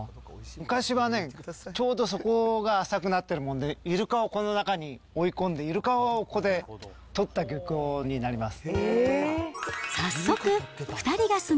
昔はね、ちょうどそこが浅くなってるもんで、イルカをこの中に追い込んで、イルカをここで捕った漁港になります。